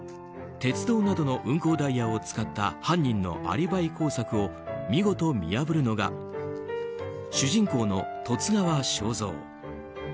鉄道などの運行ダイヤを使った犯人のアリバイ工作を見事、見破るのが主人公の十津川省三。